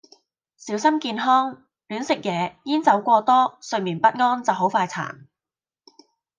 小心健康亂食野煙酒過多睡眠不安就好快殘。